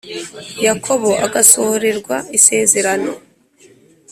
yakobo agasohorezwa isezerano